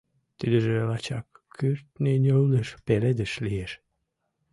Тидыже лачак кӱртньынӧлдыш пеледыш лиеш.